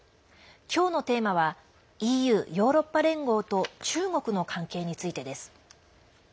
今日のテーマはＥＵ＝ヨーロッパ連合と中国の関係についてです。